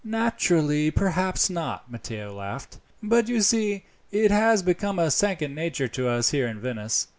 "Naturally perhaps not," Matteo laughed; "but you see it has become a second nature to us here in Venice.